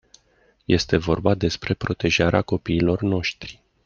Este vorba despre protejarea copiilor noștri.